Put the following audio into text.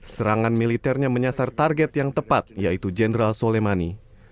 serangan militernya menyasar target yang tepat yaitu jenderal soleimani